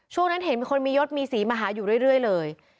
นั้นเห็นมีคนมียศมีสีมาหาอยู่เรื่อยเลย